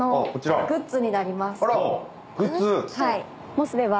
モスでは。